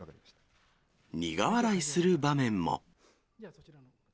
苦笑いする場面も。